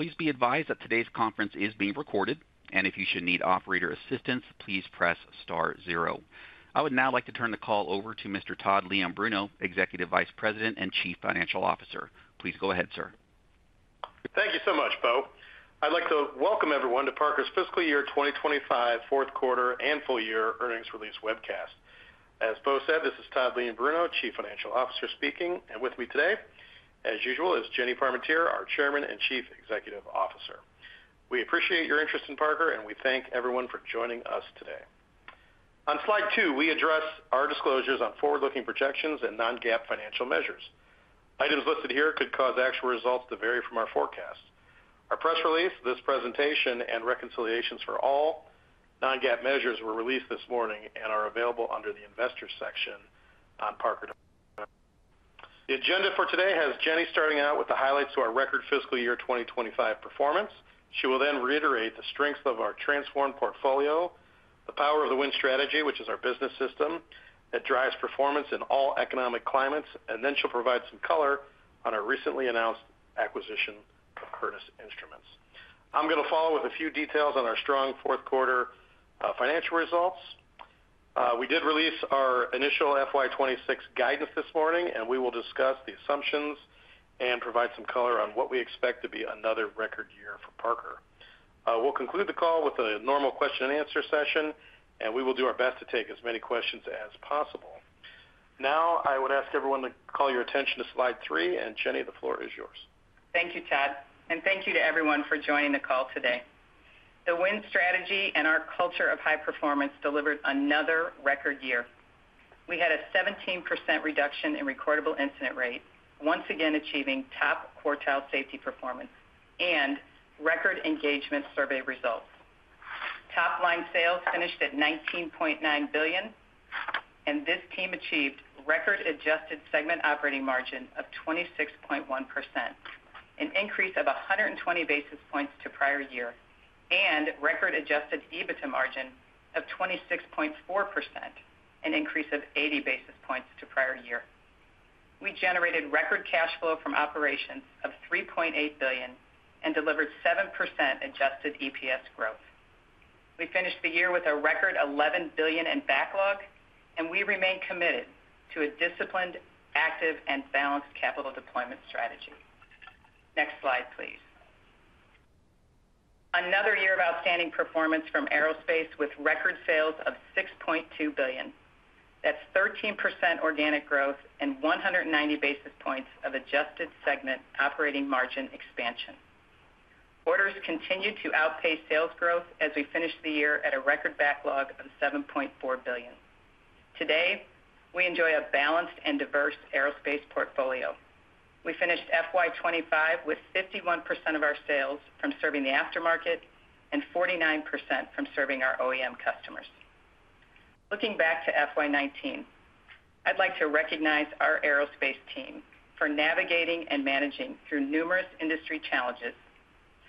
Please be advised that today's conference is being recorded, and if you should need operator assistance, please press star zero. I would now like to turn the call over to Mr. Todd Leombruno, Executive Vice President and Chief Financial Officer. Please go ahead, sir. Thank you so much, Beau. I'd like to welcome everyone to Parker's fiscal year 2025 fourth quarter and full year earnings release webcast. As Beau said, this is Todd Leombruno, Chief Financial Officer speaking, and with me today, as usual, is Jenny Parmentier, our Chairman and Chief Executive Officer. We appreciate your interest in Parker, and we thank everyone for joining us today. On slide two, we address our disclosures on forward-looking projections and non-GAAP financial measures. Items listed here could cause actual results to vary from our forecast. Our press release, this presentation, and reconciliations for all non-GAAP measures were released this morning and are available under the investors section on Parker website. The agenda for today has Jenny starting out with the highlights of our record fiscal year 2025 performance. She will then reiterate the strength of our transformed portfolio, the power of the Win Strategy, which is our business system that drives performance in all economic climates. She'll provide some color on our recently announced acquisition of Curtis Instruments. I'm going to follow with a few details on our strong fourth quarter financial results. We did release our initial FY 2026 guidance this morning, and we will discuss the assumptions and provide some color on what we expect to be another record year for Parker. We'll conclude the call with a normal question and answer session, and we will do our best to take as many questions as possible. Now, I would ask everyone to call your attention to slide three, and Jenny, the floor is yours. Thank you, Todd, and thank you to everyone for joining the call today. The Win Strategy and our culture of high performance delivered another record year. We had a 17% reduction in recordable incident rate, once again achieving top quartile safety performance and record engagement survey results. Top line sales finished at $19.9 billion, and this team achieved record-adjusted segment operating margin of 26.1%, an increase of 120 basis points to prior year, and record-adjusted EBITDA margin of 26.4%, an increase of 80 basis points to prior year. We generated record cash flow from operations of $3.8 billion and delivered 7% adjusted EPS growth. We finished the year with a record $11 billion in backlog, and we remain committed to a disciplined, active, and balanced capital deployment strategy. Next slide, please. Another year of outstanding performance from aerospace with record sales of $6.2 billion. That's 13% organic growth and 190 basis points of adjusted segment operating margin expansion. Orders continued to outpace sales growth as we finished the year at a record backlog of $7.4 billion. Today, we enjoy a balanced and diverse aerospace portfolio. We finished FY 2025 with 51% of our sales from serving the aftermarket and 49% from serving our OEM customers. Looking back to FY 2019, I'd like to recognize our aerospace team for navigating and managing through numerous industry challenges,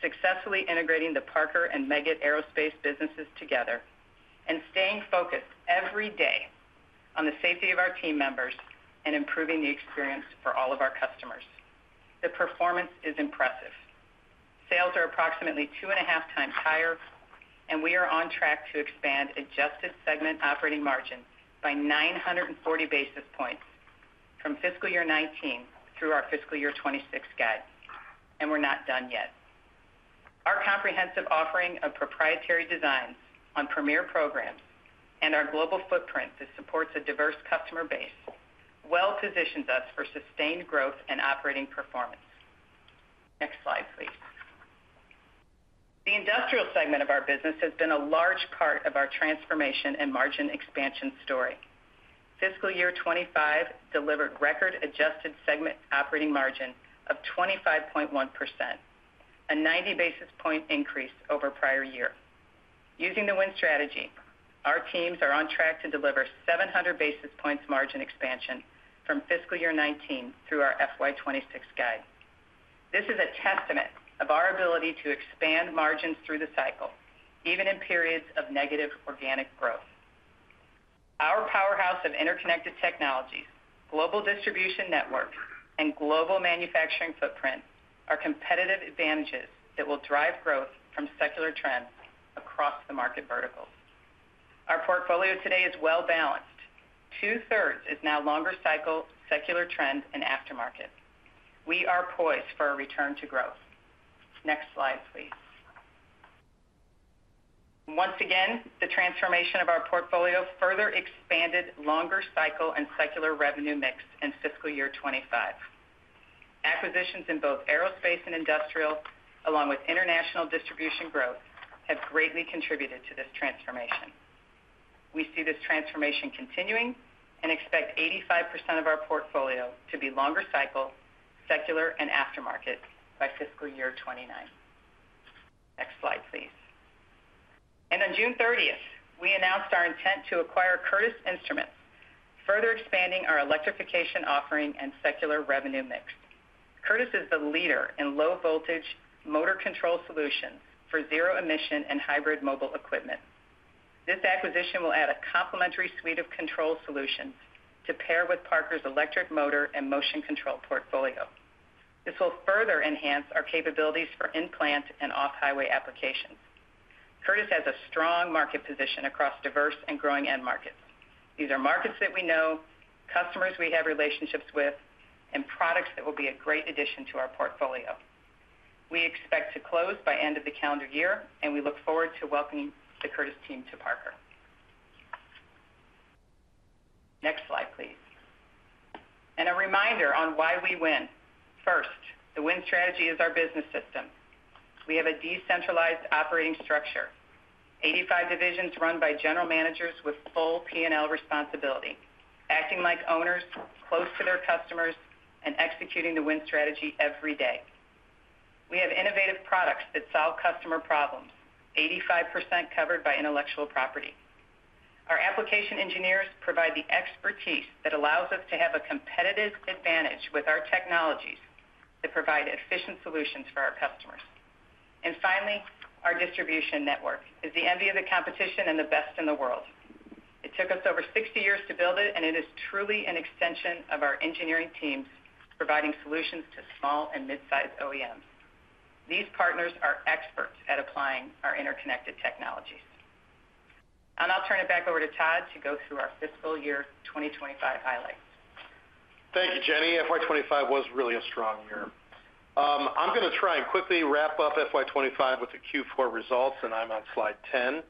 successfully integrating the Parker and Meggitt aerospace businesses together, and staying focused every day on the safety of our team members and improving the experience for all of our customers. The performance is impressive. Sales are approximately two and a half times higher, and we are on track to expand adjusted segment operating margin by 940 basis points from fiscal year 2019 through our fiscal year 2026 guide. We're not done yet. Our comprehensive offering of proprietary design on premier programs and our global footprint that supports a diverse customer base well-positions us for sustained growth and operating performance. Next slide, please. The industrial segment of our business has been a large part of our transformation and margin expansion story. Fiscal year 2025 delivered record-adjusted segment operating margin of 25.1%, a 90 basis point increase over prior year. Using the Win Strategy, our teams are on track to deliver 700 basis points margin expansion from fiscal year 2019 through our FY 2026 guide. This is a testament of our ability to expand margins through the cycle, even in periods of negative organic growth. Our powerhouse of interconnected technologies, global distribution networks, and global manufacturing footprint are competitive advantages that will drive growth from secular trends across the market verticals. Our portfolio today is well-balanced. Two-thirds is now longer cycle, secular trends, and aftermarket. We are poised for a return to growth. Next slide, please. Once again, the transformation of our portfolio further expanded longer cycle and secular revenue mix in fiscal year 2025. Acquisitions in both aerospace and industrial, along with international distribution growth, have greatly contributed to this transformation. We see this transformation continuing and expect 85% of our portfolio to be longer cycle, secular, and aftermarket by fiscal year 2029. Next slide, please. On June 30th, we announced our intent to acquire Curtis Instruments, further expanding our electrification offering and secular revenue mix. Curtis is the leader in low-voltage motor control solutions for zero-emission and hybrid mobile equipment. This acquisition will add a complementary suite of control solutions to pair with Parker's electric motor and motion control portfolio. This will further enhance our capabilities for in-plant and off-highway applications. Curtis has a strong market position across diverse and growing end markets. These are markets that we know, customers we have relationships with, and products that will be a great addition to our portfolio. We expect to close by the end of the calendar year, and we look forward to welcoming the Curtis team to Parker. Next slide, please. A reminder on why we win. First, the Win Strategy is our business system. We have a decentralized operating structure, 85 divisions run by general managers with full P&L responsibility, acting like owners, close to their customers, and executing the Win Strategy every day. We have innovative products that solve customer problems, 85% covered by intellectual property. Our application engineers provide the expertise that allows us to have a competitive advantage with our technologies that provide efficient solutions for our customers. Finally, our distribution network is the envy of the competition and the best in the world. It took us over 60 years to build it, and it is truly an extension of our engineering teams providing solutions to small and mid-sized OEMs. These partners are experts at applying our interconnected technologies. I'll turn it back over to Todd to go through our fiscal year 2025 highlights. Thank you, Jenny. FY 2025 was really a strong year. I'm going to try and quickly wrap up FY 2025 with the Q4 results, and I'm on slide 10.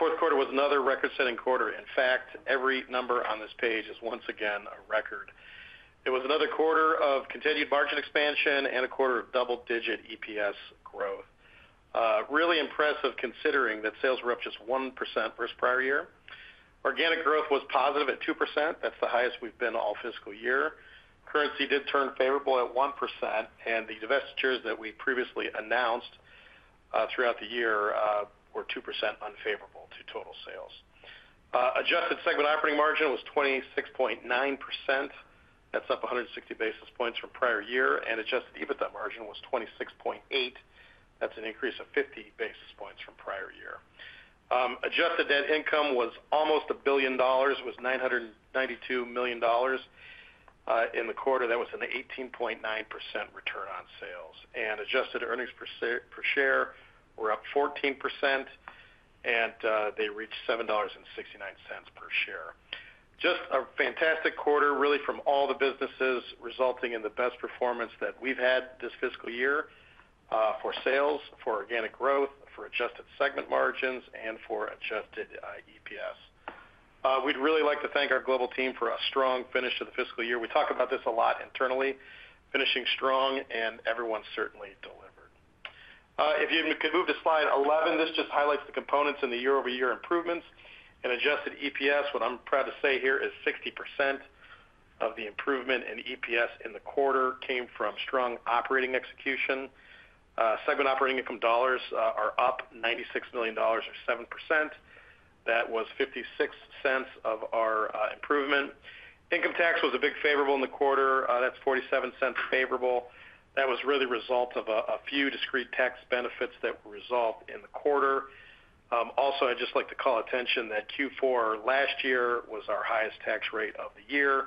Fourth quarter was another record-setting quarter. In fact, every number on this page is once again a record. It was another quarter of continued margin expansion and a quarter of double-digit EPS growth. Really impressive considering that sales were up just 1% versus prior year. Organic growth was positive at 2%. That's the highest we've been all fiscal year. Currency did turn favorable at 1%, and the divestitures that we previously announced throughout the year were 2% unfavorable to total sales. Adjusted segment operating margin was 26.9%. That's up 160 basis points from prior year, and adjusted EBITDA margin was 26.8%. That's an increase of 50 basis points from prior year. Adjusted net income was almost a billion dollars. It was $992 million in the quarter. That was an 18.9% return on sales, and adjusted earnings per share were up 14%, and they reached $7.69 per share. Just a fantastic quarter, really from all the businesses resulting in the best performance that we've had this fiscal year for sales, for organic growth, for adjusted segment margins, and for adjusted EPS. We'd really like to thank our global team for a strong finish to the fiscal year. We talk about this a lot internally, finishing strong, and everyone certainly delivered. If you can move to slide 11, this just highlights the components in the year-over-year improvements, and adjusted EPS, what I'm proud to say here, is 60% of the improvement in EPS in the quarter came from strong operating execution. Segment operating income dollars are up $96 million, or 7%. That was $0.56 of our improvement. Income tax was a big favorable in the quarter. That's $0.47 favorable. That was really a result of a few discrete tax benefits that were resolved in the quarter. Also, I'd just like to call attention that Q4 last year was our highest tax rate of the year,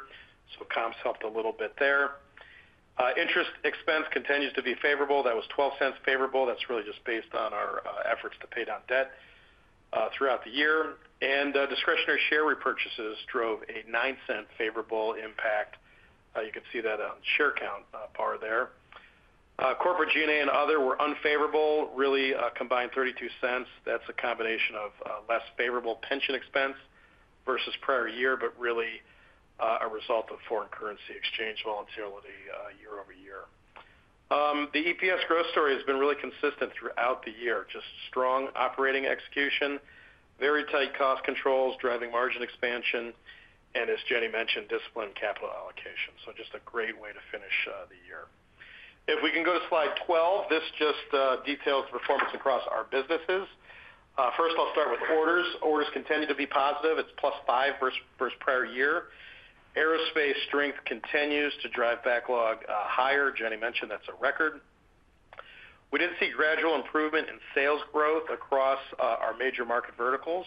so comps helped a little bit there. Interest expense continues to be favorable. That was $0.12 favorable. That's really just based on our efforts to pay down debt throughout the year. Discretionary share repurchases drove a $0.09 favorable impact. You can see that on share count bar there. Corporate G&A and other were unfavorable, really combined $0.32. That's a combination of less favorable pension expense versus prior year, but really a result of foreign currency exchange volatility year-over-year. The EPS growth story has been really consistent throughout the year, just strong operating execution, very tight cost controls driving margin expansion, and as Jenny mentioned, disciplined capital allocation. Just a great way to finish the year. If we can go to slide 12, this details the performance across our businesses. First, I'll start with orders. Orders continue to be positive. It's +5% versus prior year. Aerospace strength continues to drive backlog higher. Jenny mentioned that's a record. We did see gradual improvement in sales growth across our major market verticals,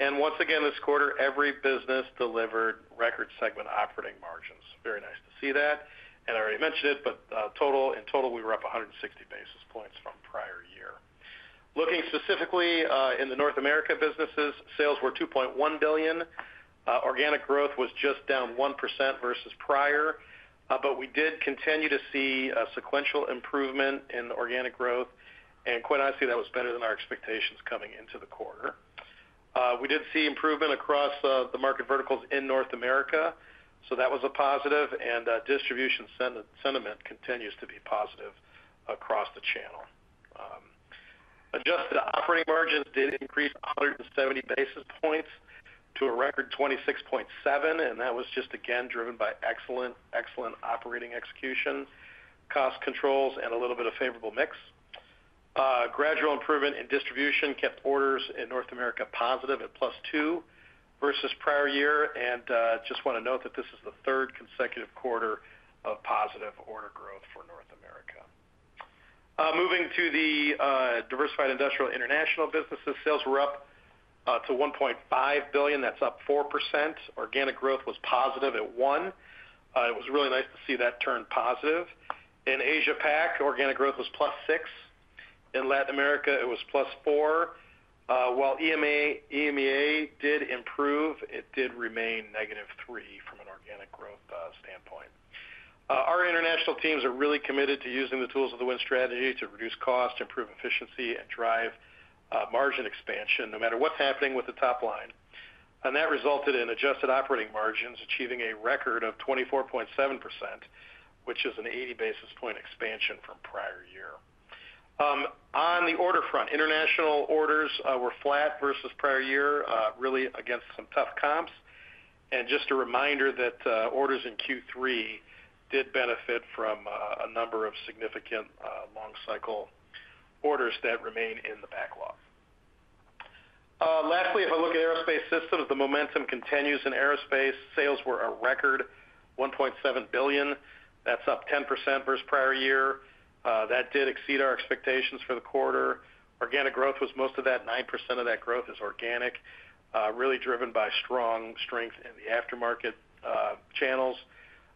and once again this quarter, every business delivered record segment operating margins. Very nice to see that. I already mentioned it, but in total, we were up 160 basis points from prior year. Looking specifically in the North America businesses, sales were $2.1 billion. Organic growth was just down 1% versus prior, but we did continue to see sequential improvement in organic growth, and quite honestly, that was better than our expectations coming into the quarter. We did see improvement across the market verticals in North America, so that was a positive, and distribution sentiment continues to be positive across the channel. Adjusted operating margins did increase 170 basis points to a record 26.7%, and that was just again driven by excellent, excellent operating execution, cost controls, and a little bit of favorable mix. Gradual improvement in distribution kept orders in North America positive at +2% versus prior year, and I just want to note that this is the third consecutive quarter of positive order growth for North America. Moving to the diversified industrial international businesses, sales were up to $1.5 billion. That's up 4%. Organic growth was positive at 1%. It was really nice to see that turn positive. In Asia-Pac, organic growth was +6%. In Latin America, it was +4%. While EMEA did improve, it did remain -3% from an organic growth standpoint. Our international teams are really committed to using the tools of the Win Strategy to reduce cost, improve efficiency, and drive margin expansion no matter what's happening with the top line. That resulted in adjusted operating margins achieving a record of 24.7%, which is an 80 basis point expansion from prior year. On the order front, international orders were flat versus prior year, really against some tough comps. Just a reminder that orders in Q3 did benefit from a number of significant long cycle orders that remain in the backlog. Lastly, if I look at aerospace systems, the momentum continues in aerospace. Sales were a record $1.7 billion, up 10% versus prior year. That did exceed our expectations for the quarter. Organic growth was most of that. 9% of that growth is organic, really driven by strong strength in the aftermarket channels.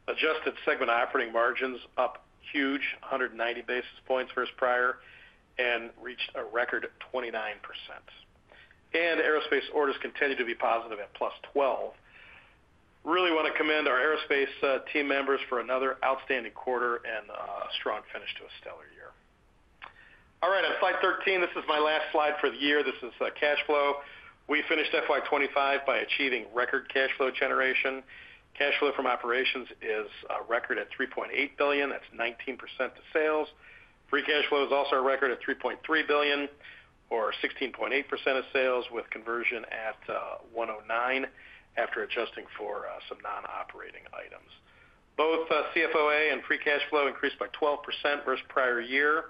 Adjusted segment operating margins up huge, 190 basis points versus prior, and reached a record 29%. Aerospace orders continue to be positive at +12%. I really want to commend our aerospace team members for another outstanding quarter and a strong finish to a stellar year. On slide 13, this is my last slide for the year. This is cash flow. We finished FY 2025 by achieving record cash flow generation. Cash flow from operations is record at $3.8 billion. That's 19% to sales. Free cash flow is also a record at $3.3 billion, or 16.8% of sales with conversion at 109% after adjusting for some non-operating items. Both CFOA and free cash flow increased by 12% versus prior year.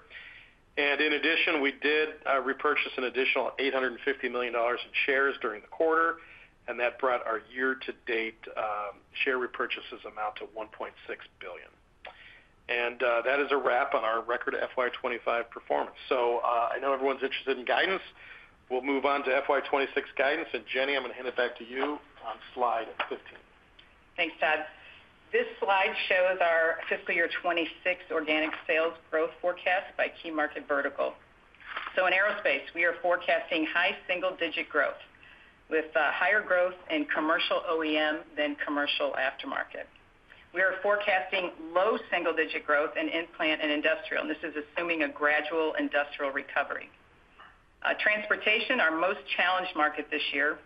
In addition, we did repurchase an additional $850 million of shares during the quarter, and that brought our year-to-date share repurchases amount to $1.6 billion. That is a wrap on our record FY 2025 performance. I know everyone's interested in guidance. We'll move on to FY 2026 guidance. Jenny, I'm going to hand it back to you on slide 15. Thanks, Todd. This slide shows our fiscal year 2026 organic sales growth forecast by key market vertical. In aerospace, we are forecasting high single-digit growth with higher growth in commercial OEM than commercial aftermarket. We are forecasting low single-digit growth in in-plant and industrial, and this is assuming a gradual industrial recovery. Transportation, our most challenged market this year,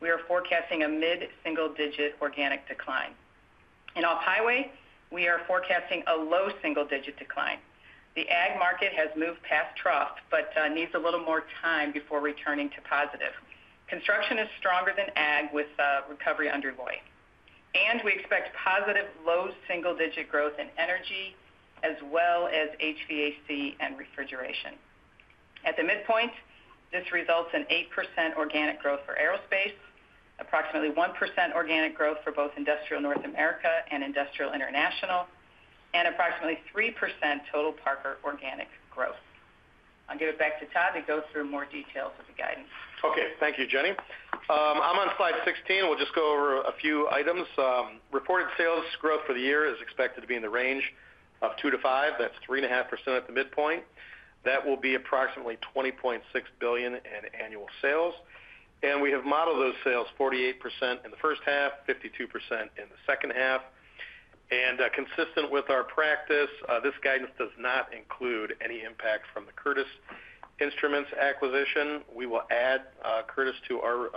we are forecasting a mid-single-digit organic decline. In off-highway, we are forecasting a low single-digit decline. The ag market has moved past trough but needs a little more time before returning to positive. Construction is stronger than ag with recovery under way. We expect positive low single-digit growth in energy as well as HVAC and refrigeration. At the midpoint, this results in 8% organic growth for aerospace, approximately 1% organic growth for both industrial North America and industrial international, and approximately 3% total Parker organic growth. I'll give it back to Todd to go through more details of the guidance. Okay, thank you, Jenny. I'm on slide 16. We'll just go over a few items. Reported sales growth for the year is expected to be in the range of 2%-5%. That's 3.5% at the midpoint. That will be approximately $20.6 billion in annual sales. We have modeled those sales 48% in the first half, 52% in the second half. Consistent with our practice, this guidance does not include any impacts from the Curtis Instruments acquisition. We will add Curtis to our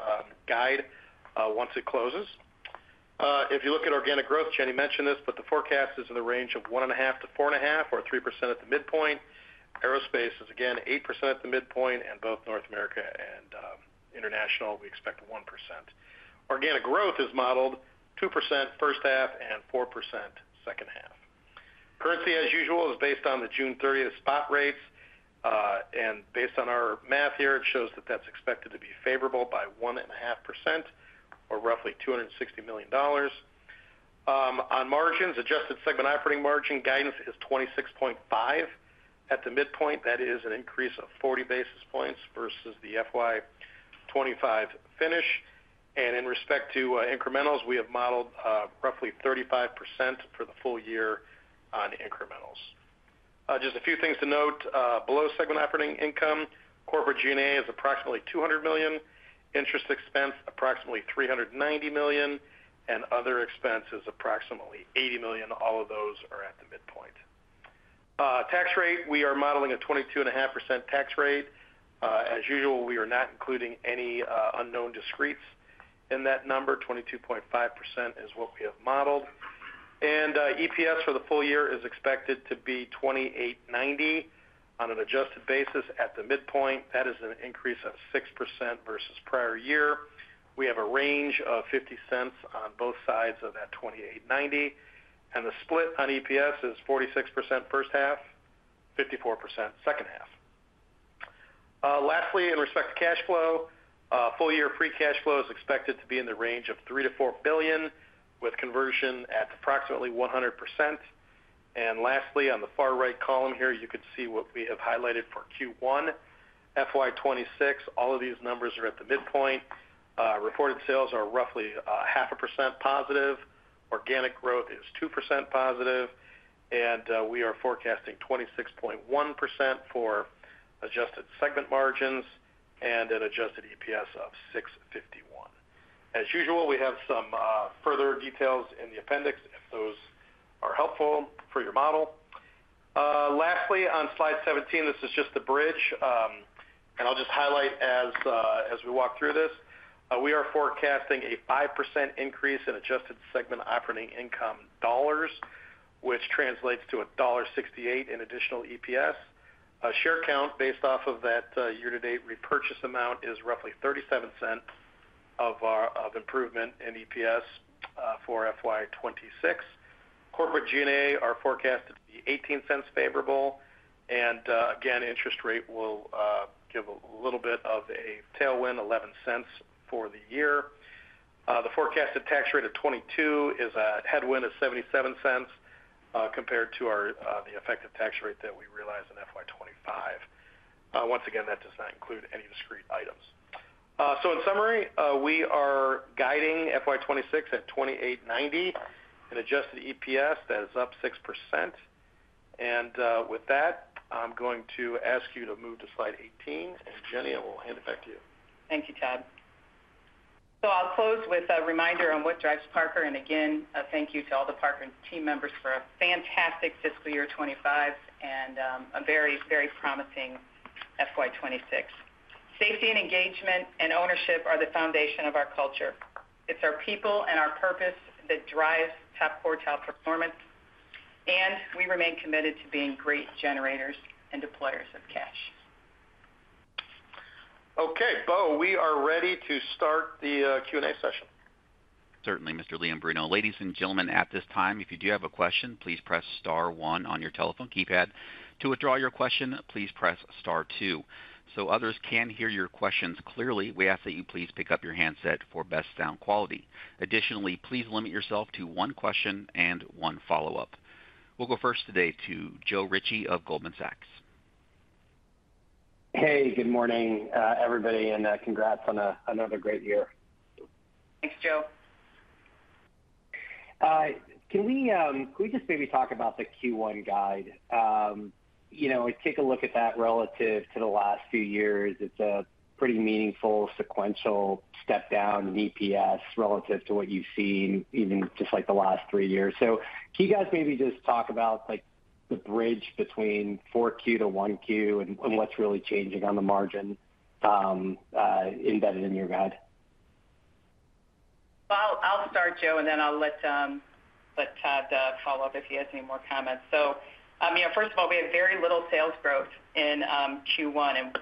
guide once it closes. If you look at organic growth, Jenny mentioned this, but the forecast is in the range of 1.5%-4.5% or 3% at the midpoint. Aerospace is again 8% at the midpoint, and both North America and international, we expect 1%. Organic growth is modeled 2% first half and 4% second half. Currency, as usual, is based on the June 30th spot rates. Based on our math here, it shows that that's expected to be favorable by 1.5% or roughly $260 million. On margins, adjusted segment operating margin guidance is 26.5% at the midpoint. That is an increase of 40 basis points versus the FY 2025 finish. In respect to incrementals, we have modeled roughly 35% for the full year on incrementals. Just a few things to note. Below segment operating income, corporate G&A is approximately $200 million, interest expense approximately $390 million, and other expenses approximately $80 million. All of those are at the midpoint. Tax rate, we are modeling a 22.5% tax rate. As usual, we are not including any unknown discretes in that number. 22.5% is what we have modeled. EPS for the full year is expected to be $28.90 on an adjusted basis at the midpoint. That is an increase of 6% versus prior year. We have a range of $0.50 on both sides of that $28.90. The split on EPS is 46% first half, 54% second half. Lastly, in respect to cash flow, full year free cash flow is expected to be in the range of $3 billion-$4 billion with conversion at approximately 100%. Lastly, on the far right column here, you can see what we have highlighted for Q1, FY 2026. All of these numbers are at the midpoint. Reported sales are roughly 0.5% positive. Organic growth is 2% positive. We are forecasting 26.1% for adjusted segment margins and an adjusted EPS of $6.51. As usual, we have some further details in the appendix if those are helpful for your model. Lastly, on slide 17, this is just the bridge. I'll just highlight as we walk through this. We are forecasting a 5% increase in adjusted segment operating income dollars, which translates to $1.68 in additional EPS. A share count based off of that year-to-date repurchase amount is roughly $0.37 of improvement in EPS for FY 2026. Corporate G&A are forecasted to be $0.18 favorable. Interest rate will give a little bit of a tailwind, $0.11 for the year. The forecasted tax rate of 22% is a headwind of $0.77 compared to the effective tax rate that we realize in FY 2025. Once again, that does not include any discrete items. In summary, we are guiding FY 2026 at $28.90 in adjusted EPS. That is up 6%. With that, I'm going to ask you to move to slide 18. Jenny, I will hand it back to you. Thank you, Todd. I'll close with a reminder on what drives Parker. Thank you to all the Parker team members for a fantastic fiscal year 2025 and a very, very promising FY 2026. Safety, engagement, and ownership are the foundation of our culture. It's our people and our purpose that drives top quartile performance. We remain committed to being great generators and deployers of cash. Okay, Beau, we are ready to start the Q&A session. Certainly, Mr. Leombruno. Ladies and gentlemen, at this time, if you do have a question, please press star one on your telephone keypad. To withdraw your question, please press star two. For best sound quality, we ask that you please pick up your handset so others can hear your questions clearly. Additionally, please limit yourself to one question and one follow-up. We'll go first today to Joe Ritchie of Goldman Sachs. Hey, good morning, everybody, and congrats on another great year. Thanks, Joe. Can we just maybe talk about the Q1 guide? I take a look at that relative to the last few years. It's a pretty meaningful sequential step down in EPS relative to what you've seen even just like the last three years. Can you guys maybe just talk about the bridge between 4Q to 1Q and what's really changing on the margin embedded in your guide? I'll start, Joe, and then I'll let Todd follow up if he has any more comments. First of all, we have very little sales growth in Q1.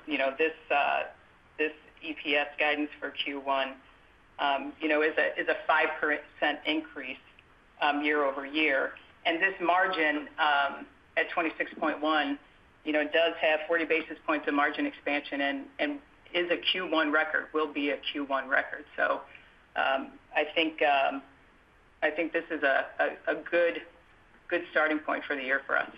This EPS guidance for Q1 is a 5% increase year-over-year. This margin at 26.1% does have 40 basis points of margin expansion and is a Q1 record, will be a Q1 record. I think this is a good starting point for the year for us.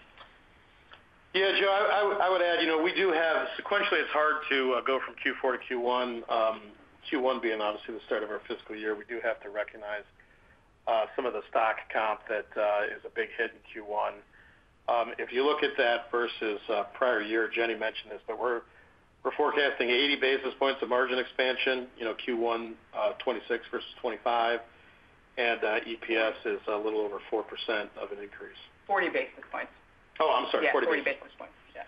Yeah, Joe, I would add, you know, we do have sequentially, it's hard to go from Q4 to Q1. Q1 being obviously the start of our fiscal year, we do have to recognize some of the stock comp that is a big hit in Q1. If you look at that versus prior year, Jenny mentioned this, but we're forecasting 80 basis points of margin expansion, you know, Q1 2026 versus 2025, and EPS is a little over 4% of an increase. 40 basis points. Oh, I'm sorry, 40. 40 basis points, yes.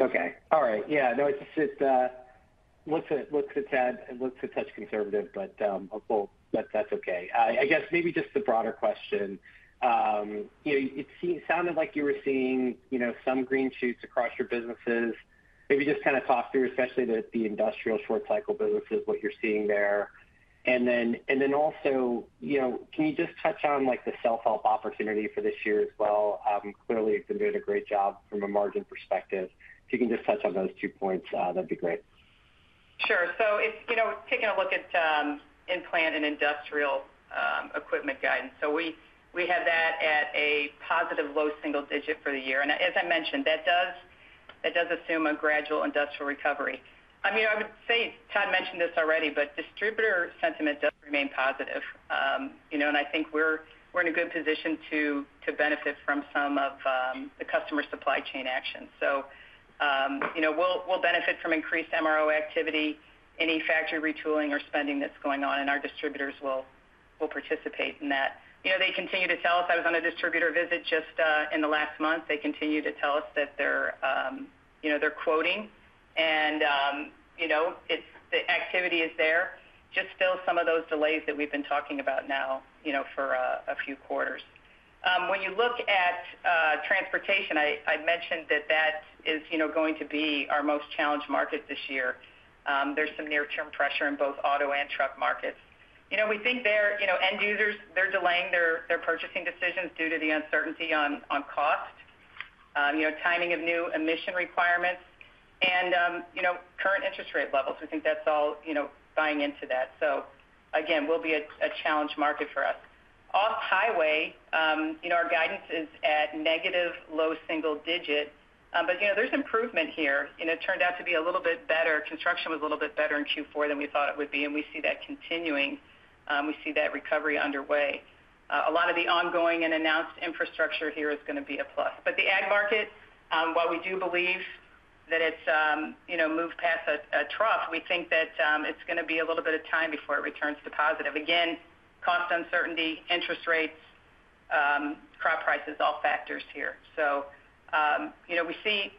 Okay. All right. Yeah, no, it looks a tad and looks a touch conservative, but hopeful that's okay. I guess maybe just the broader question. It seemed sounded like you were seeing some green shoots across your businesses. Maybe just kind of talk through, especially the industrial short cycle businesses, what you're seeing there. Also, can you just touch on like the self-help opportunity for this year as well? Clearly, it's been doing a great job from a margin perspective. If you can just touch on those two points, that'd be great. Sure. So if, you know, taking a look at in-plant and industrial equipment guidance, we had that at a positive low single digit for the year. As I mentioned, that does assume a gradual industrial recovery. I would say Todd mentioned this already, but distributor sentiment does remain positive. I think we're in a good position to benefit from some of the customer supply chain actions. We'll benefit from increased MRO activity, any factory retooling or spending that's going on, and our distributors will participate in that. They continue to tell us, I was on a distributor visit just in the last month, they continue to tell us that they're quoting, and the activity is there. Just fill some of those delays that we've been talking about now for a few quarters. When you look at transportation, I mentioned that is going to be our most challenged market this year. There's some near-term pressure in both auto and truck markets. We think end users are delaying their purchasing decisions due to the uncertainty on cost, timing of new emission requirements, and current interest rate levels. We think that's all buying into that. It will be a challenge market for us. Off-highway, our guidance is at negative low single digit, but there's improvement here, and it turned out to be a little bit better. Construction was a little bit better in Q4 than we thought it would be, and we see that continuing. We see that recovery underway. A lot of the ongoing and announced infrastructure here is going to be a plus. The ag market, while we do believe that it's moved past a trough, we think that it's going to be a little bit of time before it returns to positive. Cost uncertainty, interest rates, crop prices, all factors here. We see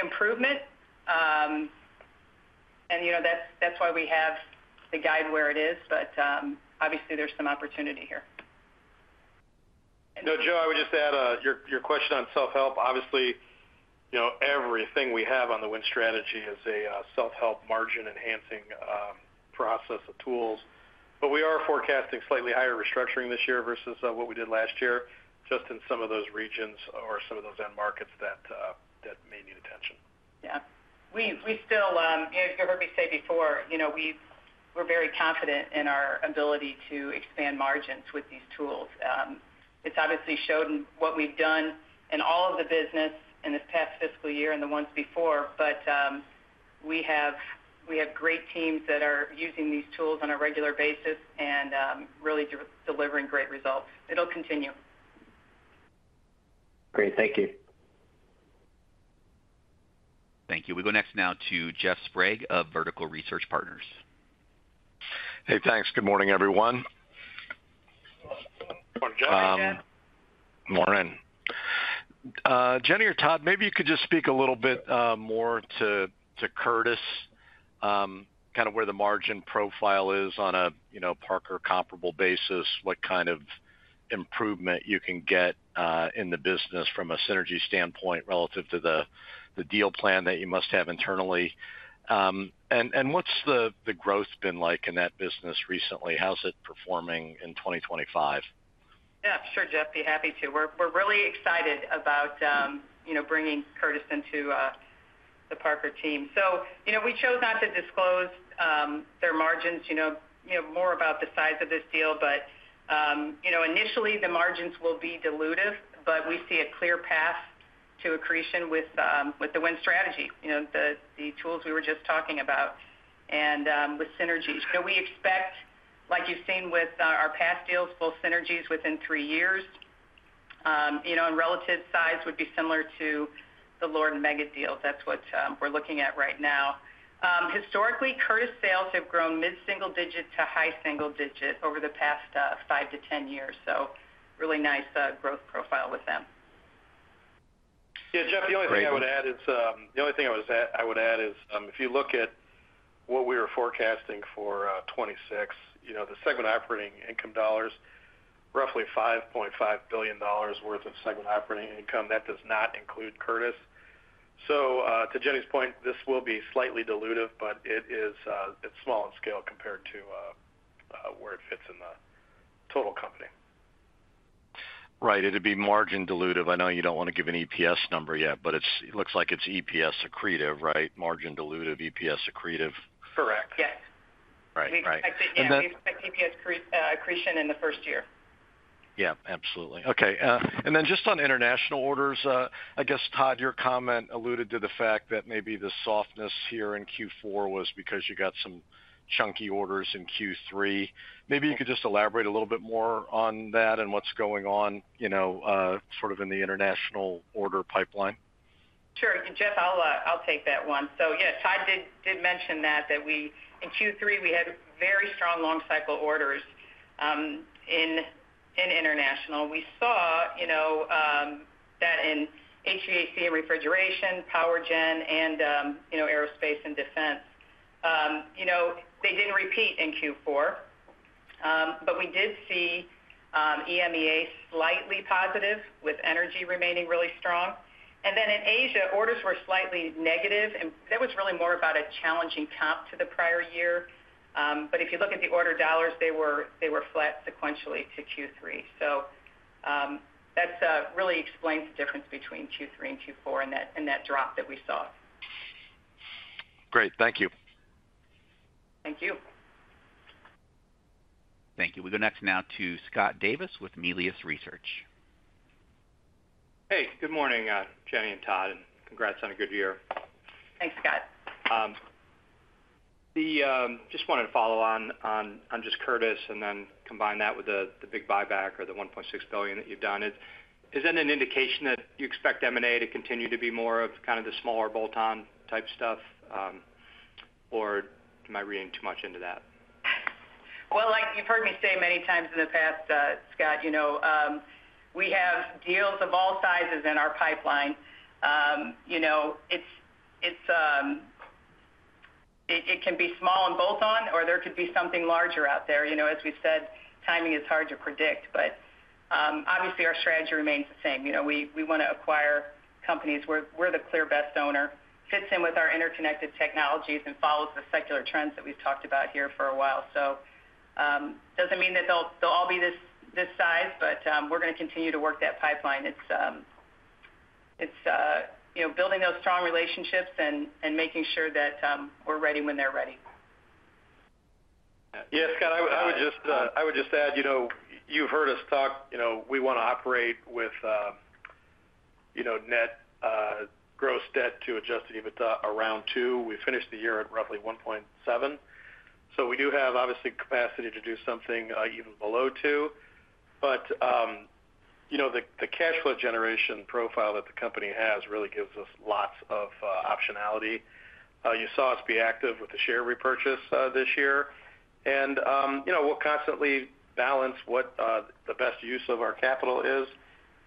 improvement, and that's why we have the guide where it is. Obviously, there's some opportunity here. No, Joe, I would just add your question on self-help. Obviously, you know, everything we have on the Win Strategy is a self-help margin-enhancing process of tools. We are forecasting slightly higher restructuring this year versus what we did last year, just in some of those regions or some of those end markets that may need attention. Yeah. We still, as you heard me say before, we're very confident in our ability to expand margins with these tools. It's obviously shown what we've done in all of the business in the past fiscal year and the ones before. We have great teams that are using these tools on a regular basis and really delivering great results. It'll continue. Great. Thank you. Thank you. We go next now to Jeff Sprague of Vertical Research Partners. Hey, thanks. Good morning, everyone. Morning, Jeff. Morning. Jenny or Todd, maybe you could just speak a little bit more to Curtis, kind of where the margin profile is on a, you know, Parker comparable basis, what kind of improvement you can get in the business from a synergy standpoint relative to the deal plan that you must have internally. What's the growth been like in that business recently? How's it performing in 2025? Yeah, sure, Jeff, be happy to. We're really excited about, you know, bringing Curtis into the Parker team. We chose not to disclose their margins, you know, more about the size of this deal. Initially, the margins will be dilutive, but we see a clear path to accretion with the Win Strategy, the tools we were just talking about, and with synergies. We expect, like you've seen with our past deals, both synergies within three years, and relative size would be similar to the Meggitt deal. That's what we're looking at right now. Historically, Curtis sales have grown mid-single digit to high single digit over the past five to ten years. Really nice growth profile with them. Yeah, Jeff, the only thing I would add is, if you look at what we were forecasting for 2026, you know, the segment operating income dollars, roughly $5.5 billion worth of segment operating income. That does not include Curtis. To Jenny's point, this will be slightly dilutive, but it is small in scale compared to where it fits in the total company. Right. It'd be margin dilutive. I know you don't want to give an EPS number yet, but it looks like it's EPS accretive, right? Margin dilutive, EPS accretive. Correct. Yes. Right. We expect EPS accretion in the first year. Absolutely. Okay. Just on international orders, I guess, Todd, your comment alluded to the fact that maybe the softness here in Q4 was because you got some chunky orders in Q3. Maybe you could just elaborate a little bit more on that and what's going on in the international order pipeline? Sure. Jeff, I'll take that one. Todd did mention that we, in Q3, had very strong long cycle orders in international. We saw that in HVAC and refrigeration, power gen, and aerospace and defense. They didn't repeat in Q4. We did see EMEA slightly positive with energy remaining really strong. In Asia, orders were slightly negative. That was really more about a challenging comp to the prior year. If you look at the order dollars, they were flat sequentially to Q3. That really explains the difference between Q3 and Q4 and that drop that we saw. Great. Thank you. Thank you. Thank you. We go next now to Scott Davis with Melius Research. Hey, good morning, Jenny and Todd, and congrats on a good year. Thanks, Scott. I just wanted to follow on Curtis and then combine that with the big buyback or the $1.6 billion that you've done. Is that an indication that you expect M&A to continue to be more of kind of the smaller bolt-on type stuff, or am I reading too much into that? As you've heard me say many times in the past, Scott, we have deals of all sizes in our pipeline. It can be small and bolt-on, or there could be something larger out there. As we've said, timing is hard to predict. Obviously, our strategy remains the same. We want to acquire companies where we're the clear best owner, fits in with our interconnected technologies and follows the secular trends that we've talked about here for a while. It doesn't mean that they'll all be this size, but we're going to continue to work that pipeline. It's building those strong relationships and making sure that we're ready when they're ready. Yeah, Scott, I would just add, you know, you've heard us talk, you know, we want to operate with, you know, net gross debt to adjusted EBITDA around 2x. We finished the year at roughly 1.7x. We do have obviously capacity to do something even below 2x. The cash flow generation profile that the company has really gives us lots of optionality. You saw us be active with the share repurchase this year. We'll constantly balance what the best use of our capital is,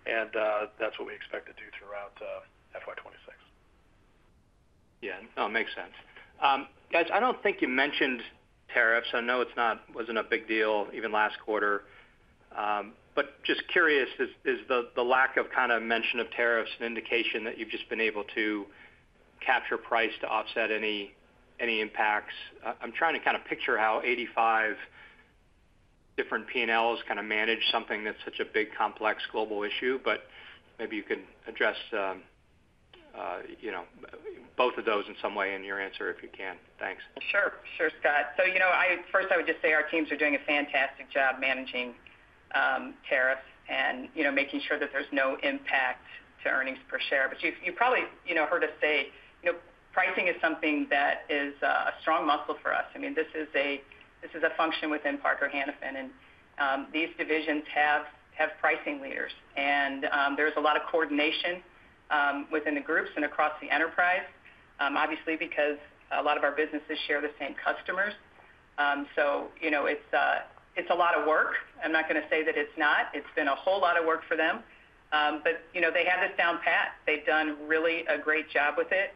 and that's what we expect to do throughout FY 2026. Yeah, no, it makes sense. I don't think you mentioned tariffs. I know it wasn't a big deal even last quarter. Just curious, is the lack of kind of mention of tariffs an indication that you've just been able to capture price to offset any impacts? I'm trying to kind of picture how 85 different P&Ls kind of manage something that's such a big, complex global issue. Maybe you can address both of those in some way in your answer if you can. Thanks. First, I would just say our teams are doing a fantastic job managing tariffs and making sure that there's no impact to earnings per share. You've probably heard us say pricing is something that is a strong muscle for us. This is a function within Parker-Hannifin, and these divisions have pricing leaders. There's a lot of coordination within the groups and across the enterprise, obviously, because a lot of our businesses share the same customers. It's a lot of work. I'm not going to say that it's not. It's been a whole lot of work for them, but they have this down pat. They've done really a great job with it.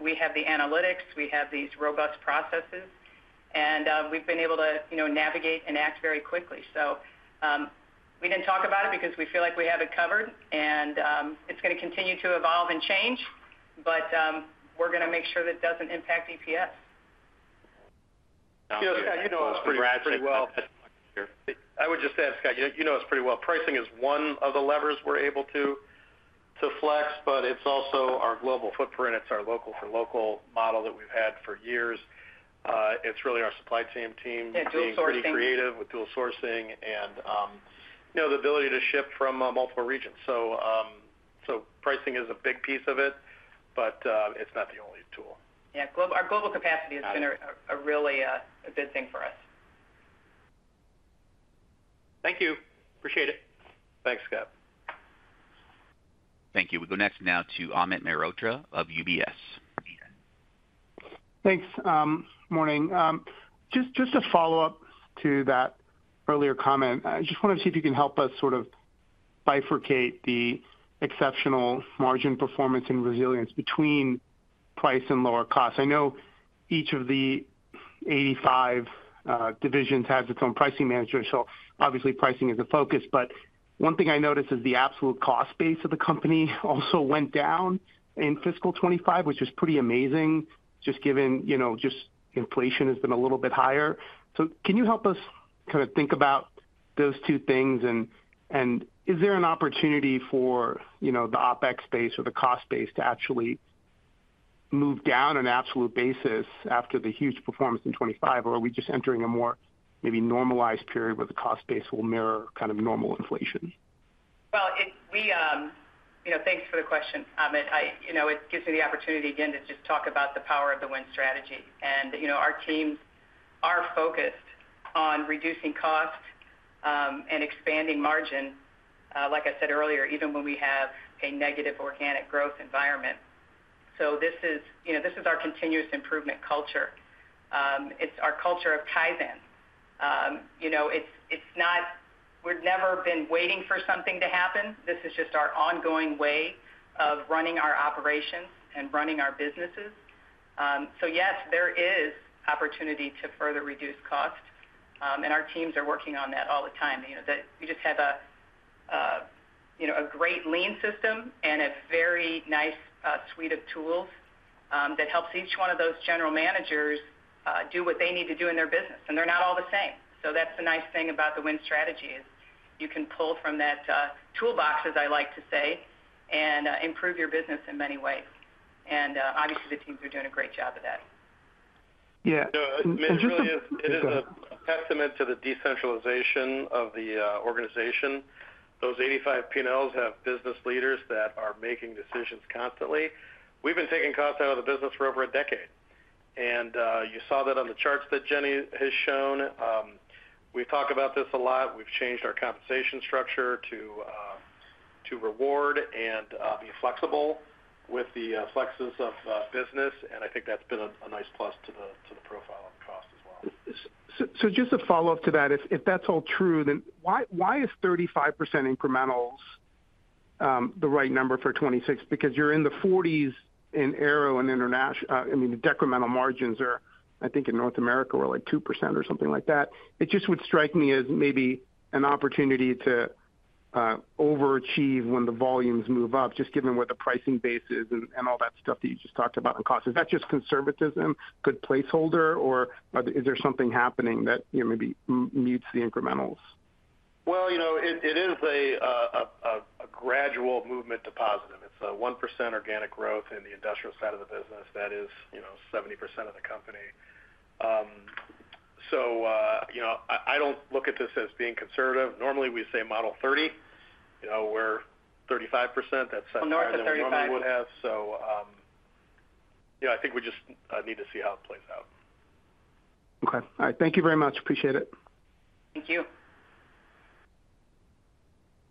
We have the analytics. We have these robust processes, and we've been able to navigate and act very quickly. We didn't talk about it because we feel like we have it covered. It's going to continue to evolve and change, but we're going to make sure that it doesn't impact EPS. You know us pretty well. I would just add, Scott, you know us pretty well. Pricing is one of the levers we're able to flex. It's also our global footprint. It's our local-for-local model that we've had for years. It's really our supply chain team. Dual sourcing. We're creative with dual sourcing and the ability to ship from multiple regions. Pricing is a big piece of it, but it's not the only tool. Yeah, our global capacity has been a really good thing for us. Thank you. Appreciate it. Thanks, Scott. Thank you. We go next now to Amit Mehrotra of UBS. Thanks. Morning. Just a follow-up to that earlier comment. I just wanted to see if you can help us sort of bifurcate the exceptional margin performance and resilience between price and lower costs. I know each of the 85 divisions has its own pricing manager. Obviously, pricing is a focus. One thing I noticed is the absolute cost base of the company also went down in fiscal 2025, which is pretty amazing, just given inflation has been a little bit higher. Can you help us kind of think about those two things? Is there an opportunity for the OpEx space or the cost base to actually move down on an absolute basis after the huge performance in 2025? Are we just entering a more maybe normalized period where the cost base will mirror kind of normal inflation? Thank you for the question, Amit. It gives me the opportunity again to just talk about the power of the Win Strategy. Our teams are focused on reducing cost and expanding margin, like I said earlier, even when we have a negative organic growth environment. This is our continuous improvement culture. It's our culture of Kaizen. We've never been waiting for something to happen. This is just our ongoing way of running our operations and running our businesses. Yes, there is opportunity to further reduce cost, and our teams are working on that all the time. We just have a great lean system and a very nice suite of tools that helps each one of those general managers do what they need to do in their business. They're not all the same. The nice thing about the Win Strategy is you can pull from that toolbox, as I like to say, and improve your business in many ways. Obviously, the teams are doing a great job of that. Yeah. No, it really is a testament to the decentralization of the organization. Those 85 P&Ls have business leaders that are making decisions constantly. We've been taking cost out of the business for over a decade. You saw that on the charts that Jenny has shown. We talk about this a lot. We've changed our compensation structure to reward and be flexible with the flexes of business. I think that's been a nice plus to the profile of the cost as well. Just a follow-up to that. If that's all true, then why is 35% incrementals the right number for 2026? Because you're in the 40% in ARO and international. I mean, the decremental margins are, I think, in North America were like 2% or something like that. It just would strike me as maybe an opportunity to overachieve when the volumes move up, just given what the pricing base is and all that stuff that you just talked about on cost. Is that just conservatism, good placeholder, or is there something happening that maybe mutes the incrementals? It is a gradual movement to positive. It's a 1% organic growth in the industrial side of the business. That is 70% of the company. I don't look at this as being conservative. Normally, we say model 30%, where 35%, that's something that no one would have. I think we just need to see how it plays out. Okay. All right. Thank you very much. Appreciate it. Thank you.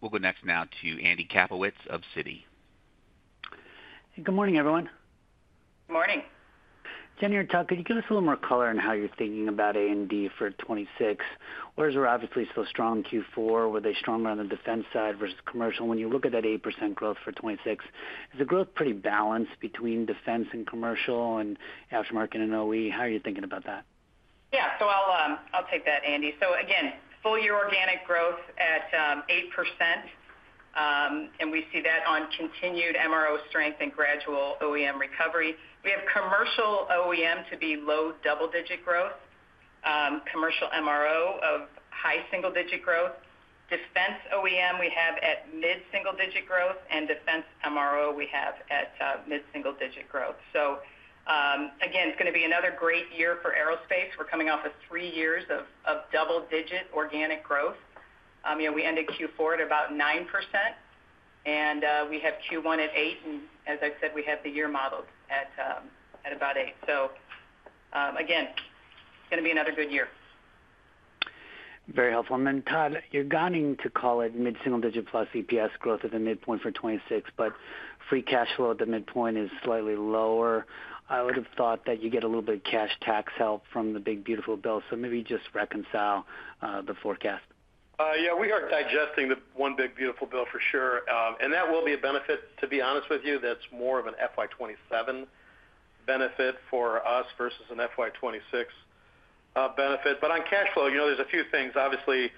We'll go next now to Andy Kaplowitz of Citi. Good morning, everyone. Morning. Jenny or Todd, could you give us a little more color in how you're thinking about A&D for 2026? Ours were obviously still strong Q4. Were they stronger on the defense side versus commercial? When you look at that 8% growth for 2026, is the growth pretty balanced between defense and commercial and aftermarket and OE? How are you thinking about that? Yeah, I'll take that, Andy. Full-year organic growth at 8%. We see that on continued MRO strength and gradual OEM recovery. We have commercial OEM to be low double-digit growth, commercial MRO of high single-digit growth. Defense OEM we have at mid-single-digit growth, and defense MRO we have at mid-single-digit growth. It's going to be another great year for aerospace. We're coming off of three years of double-digit organic growth. We ended Q4 at about 9%. We have Q1 at 8%, and as I said, we have the year modeled at about 8%. It's going to be another good year. Very helpful. Todd, you're guiding to call it mid-single-digit plus EPS growth at the midpoint for 2026, but free cash flow at the midpoint is slightly lower. I would have thought that you get a little bit of cash tax help from the Big Beautiful Bill. Maybe just reconcile the forecast. Yeah, we aren't digesting the One Big Beautiful Bill for sure. That will be a benefit, to be honest with you. That's more of an FY 2027 benefit for us versus an FY 2026 benefit. On cash flow, you know, there's a few things. Obviously,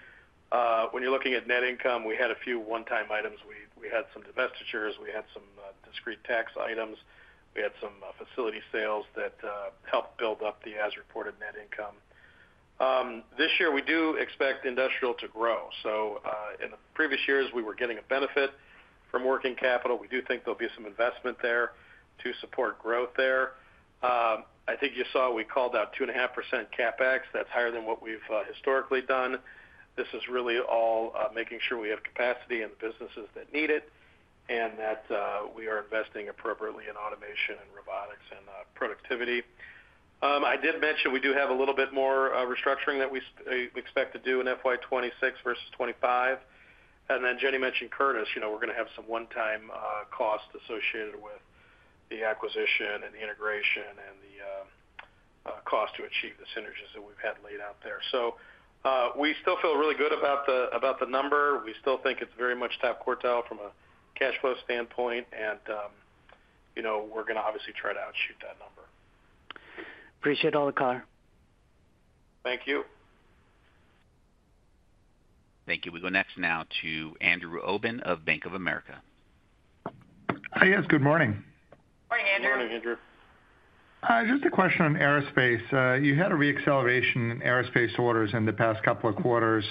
when you're looking at net income, we had a few one-time items. We had some divestitures, some discrete tax items, and some facility sales that helped build up the as-reported net income. This year, we do expect industrial to grow. In previous years, we were getting a benefit from working capital. We do think there'll be some investment there to support growth. I think you saw we called out 2.5% CapEx. That's higher than what we've historically done. This is really all making sure we have capacity in the businesses that need it and that we are investing appropriately in automation, robotics, and productivity. I did mention we do have a little bit more restructuring that we expect to do in FY 2026 versus FY 2025. Jenny mentioned Curtis. We're going to have some one-time costs associated with the acquisition and the integration and the cost to achieve the synergies that we've had laid out there. We still feel really good about the number. We still think it's very much top quartile from a cash flow standpoint. We're going to obviously try to outshoot that number. Appreciate all the color. Thank you. Thank you. We go next now to Andrew Obin of Bank of America. Hi, yes, good morning. Morning, Andrew. Good morning, Andrew. Hi. Just a question on aerospace. You had a reacceleration in aerospace orders in the past couple of quarters,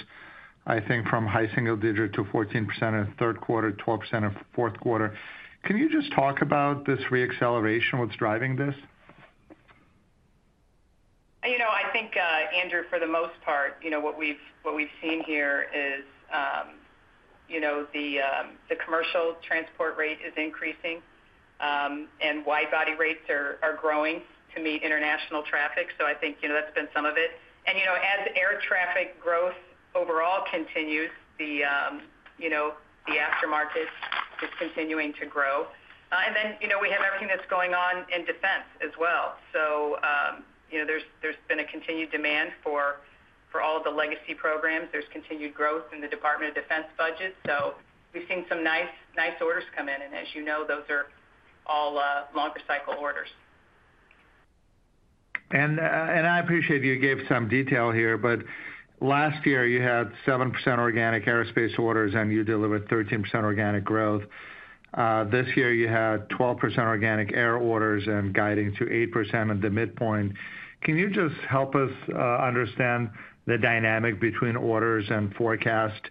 I think from high single digit to 14% in the third quarter, 12% in the fourth quarter. Can you just talk about this reacceleration? What's driving this? I think, Andrew, for the most part, what we've seen here is the commercial transport rate is increasing and wide body rates are growing to meet international traffic. I think that's been some of it. As air traffic growth overall continues, the aftermarket is continuing to grow. We have everything that's going on in defense as well. There's been a continued demand for all of the legacy programs. There's continued growth in the Department of Defense budget. We've seen some nice orders come in. As you know, those are all longer cycle orders. I appreciate you gave some detail here, but last year you had 7% organic aerospace orders and you delivered 13% organic growth. This year you had 12% organic air orders and guiding to 8% at the midpoint. Can you just help us understand the dynamic between orders and forecast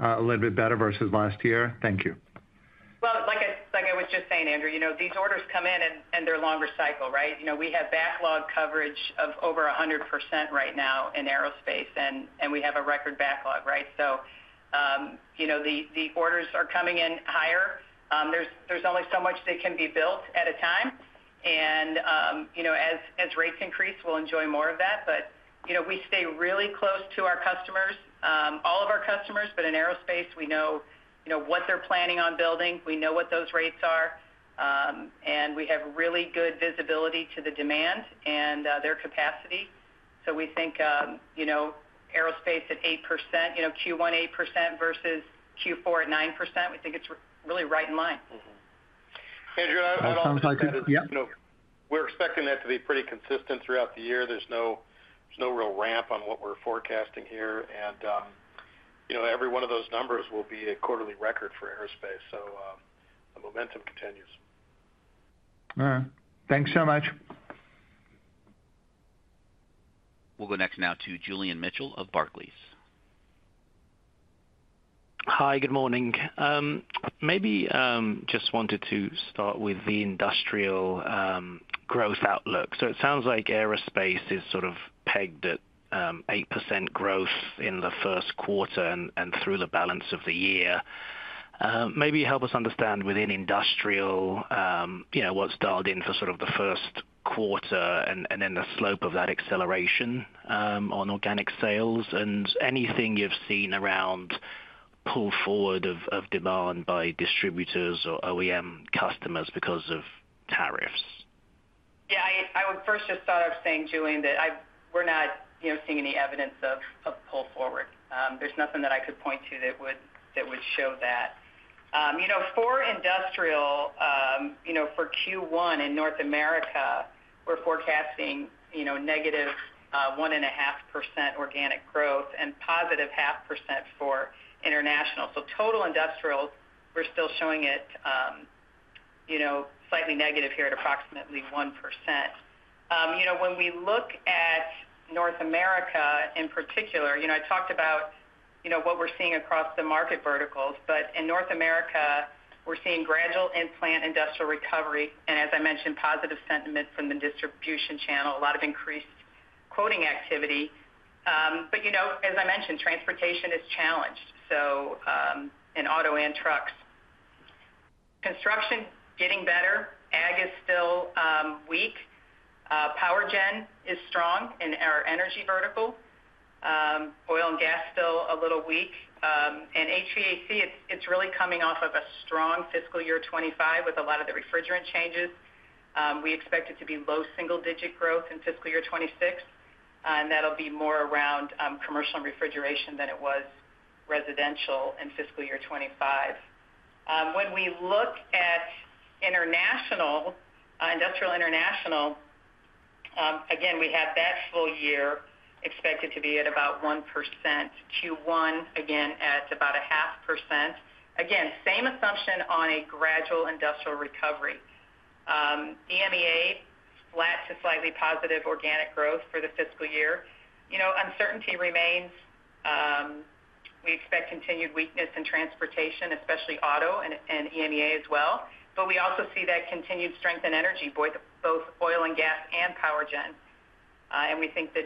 a little bit better versus last year? Thank you. As I was just saying, Andrew, these orders come in and they're longer cycle, right? We have backlog coverage of over 100% right now in aerospace and we have a record backlog, right? The orders are coming in higher. There's only so much that can be built at a time. As rates increase, we'll enjoy more of that. We stay really close to our customers, all of our customers, but in aerospace, we know what they're planning on building. We know what those rates are, and we have really good visibility to the demand and their capacity. We think aerospace at 8%, Q1 8% versus Q4 at 9%, we think it's really right in line. Andrew, I'm sorry. We're expecting that to be pretty consistent throughout the year. There's no real ramp on what we're forecasting here. Every one of those numbers will be a quarterly record for aerospace, so the momentum continues. Thanks so much. We'll go next to Julian Mitchell of Barclays. Hi, good morning. Maybe just wanted to start with the industrial growth outlook. It sounds like aerospace is sort of pegged at 8% growth in the first quarter and through the balance of the year. Maybe help us understand within industrial, you know, what's dialed in for sort of the first quarter and then the slope of that acceleration on organic sales and anything you've seen around pull forward of demand by distributors or OEM customers because of tariffs. Yeah, I would first just start off saying, Julian, that we're not seeing any evidence of pull forward. There's nothing that I could point to that would show that. For industrial, for Q1 in North America, we're forecasting -1.5% organic growth and +0.5% for international. Total industrial, we're still showing it slightly negative here at approximately 1%. When we look at North America in particular, I talked about what we're seeing across the market verticals. In North America, we're seeing gradual in-plant industrial recovery. As I mentioned, positive sentiment from the distribution channel, a lot of increased quoting activity. As I mentioned, transportation is challenged. In auto and trucks, construction getting better. Ag is still weak. Power gen is strong in our energy vertical. Oil and gas still a little weak. HVAC, it's really coming off of a strong fiscal year 2025 with a lot of the refrigerant changes. We expect it to be low single-digit growth in fiscal year 2026. That'll be more around commercial and refrigeration than it was residential in fiscal year 2025. When we look at industrial international, again, we had that full year expected to be at about 1%. Q1, again, at about 0.5%. Same assumption on a gradual industrial recovery. EMEA, flat to slightly positive organic growth for the fiscal year. Uncertainty remains. We expect continued weakness in transportation, especially auto and EMEA as well. We also see that continued strength in energy, both oil and gas and power gen. We think that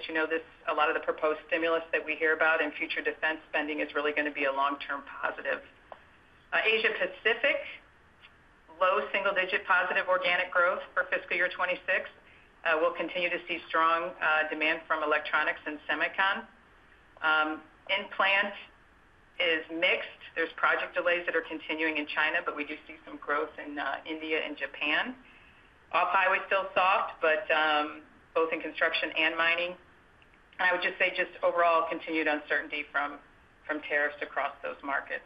a lot of the proposed stimulus that we hear about in future defense spending is really going to be a long-term positive. Asia-Pacific, low single-digit positive organic growth for fiscal year 2026. We'll continue to see strong demand from electronics and semicon. In-plant is mixed. There's project delays that are continuing in China, but we do see some growth in India and Japan. Off-highway still soft, both in construction and mining. I would just say overall continued uncertainty from tariffs across those markets.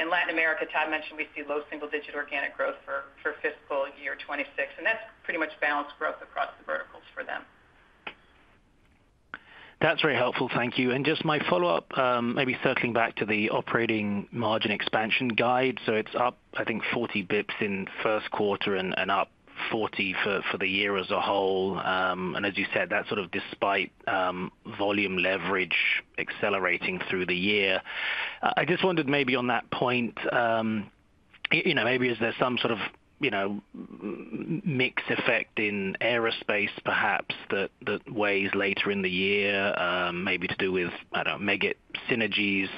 In Latin America, Todd mentioned we see low single-digit organic growth for fiscal year 2026. That's pretty much balanced growth across the verticals for them. That's very helpful. Thank you. Just my follow-up, maybe circling back to the operating margin expansion guide. It's up, I think, 40 bps in first quarter and up 40 bps for the year as a whole. As you said, that's sort of despite volume leverage accelerating through the year. I just wondered on that point, maybe is there some sort of mix effect in aerospace perhaps that weighs later in the year, maybe to do with, I don't know, Meggitt synergies